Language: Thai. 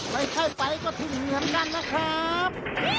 ไปไข้ไปก็ถึงเหมือนกันนะครับ